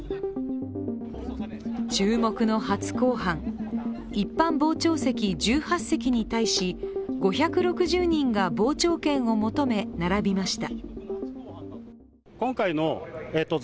注目の初公判、一般傍聴席１８席に対し、５６０人が傍聴券を求め、並びました。